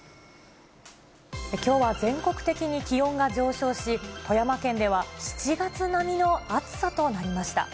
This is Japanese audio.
きょうは全国的に気温が上昇し、富山県では７月並みの暑さとなりました。